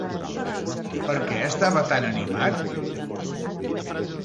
Per què estava tan animat?